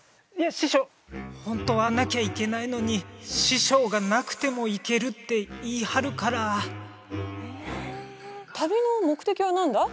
師匠ホントはなきゃいけないのに師匠がなくてもいけるって言い張るからえ旅の目的は何だ？